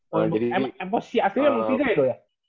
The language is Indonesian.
posisi asli yang mungkin ya itu ya